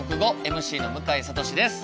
ＭＣの向井慧です。